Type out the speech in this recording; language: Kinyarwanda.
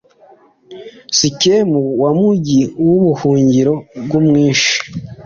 sikemu, wa mugi w'ubuhungiro bw'umwishi